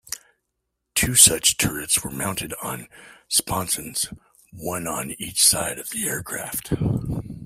Two such turrets were mounted on sponsons, one on each side of the aircraft.